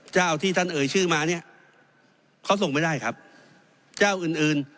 เจ้าที่ท่านเอ่ยชื่อมาเนี่ยเขาส่งไม่ได้ครับเจ้าอื่นอื่น